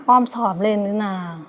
ôm xòm lên